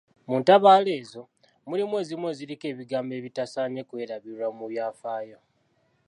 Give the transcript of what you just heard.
Mu ntabaalo ezo, mulimu ezimu eziriko ebigambo ebitasaanye kwerabirwa mu byafaayo.